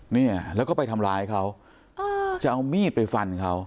เนี่ยแล้วก็ไปทำร้ายเขาจะเอามีดไปฟันเขา